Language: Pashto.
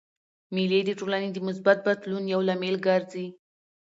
مېلې د ټولني د مثبت بدلون یو لامل ګرځي.